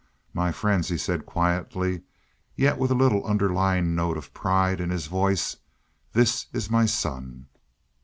"My friends," he said quietly, yet with a little underlying note of pride in his voice, "this is my son."